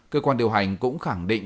cơ quan điều hành cũng khẳng định